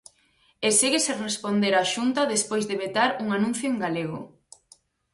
E segue sen responder á Xunta despois de vetar un anuncio en galego.